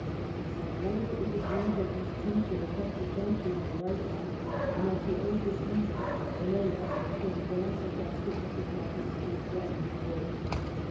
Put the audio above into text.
At length it was agreed that these two should effect a junction on the right bank, and that, to aid this movement, Venegas should advance across the upper Tagus and threaten Madrid.